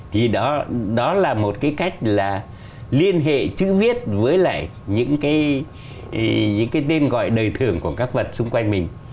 thì đó là một cách liên hệ chữ viết với lại những tên gọi đời thưởng của các vật xung quanh mình